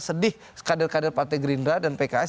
sedih kader kader partai gerindra dan pks